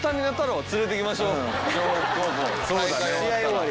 試合終わりでね。